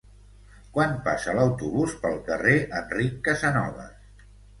Quan passa l'autobús pel carrer Enric Casanovas?